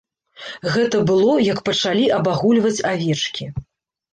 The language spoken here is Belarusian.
Гэта было, як пачалі абагульваць авечкі.